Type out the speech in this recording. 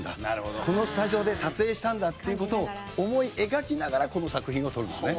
「このスタジオで撮影したんだ」っていう事を思い描きながらこの作品を撮るんですね。